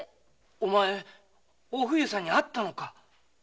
お前お冬さんに会ったのか？